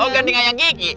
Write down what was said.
oh gandeng kayak gigi